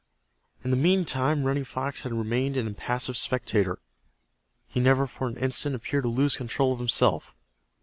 In the meantime Running Fox had remained an impassive spectator. He never for an instant appeared to lose control of himself.